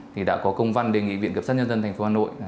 thì đã có công văn đề nghị viện cập sát nhân dân thành phố hà nội